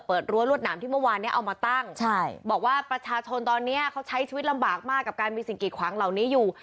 รั้วรวดหนามที่เมื่อวานเนี้ยเอามาตั้งใช่บอกว่าประชาชนตอนนี้เขาใช้ชีวิตลำบากมากกับการมีสิ่งกีดขวางเหล่านี้อยู่